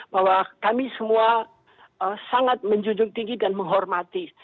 bahwa kami semua sangat menjunjung tinggi dan menghormati